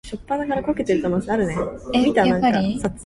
你邊有咁貴呀